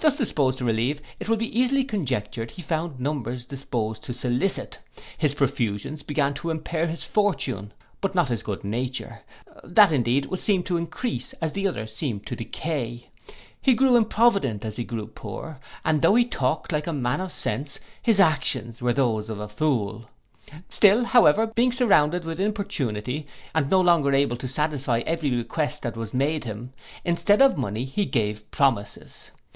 Thus disposed to relieve, it will be easily conjectured, he found numbers disposed to solicit: his profusions began to impair his fortune, but not his good nature; that, indeed, was seen to encrease as the other seemed to decay: he grew improvident as he grew poor; and though he talked like a man of sense, his actions were those of a fool. Still, however, being surrounded with importunity, and no longer able to satisfy every request that was made him, instead of money he gave promises.